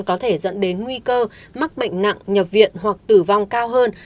có thể dẫn đến nguy cơ mắc bệnh nặng nhập viện hoặc tử vong cao hơn